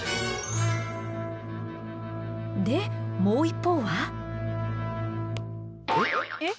でもう一方は。えっ？